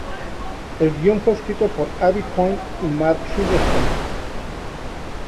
El guion fue escrito por Abby Kohn y Mark Silverstein.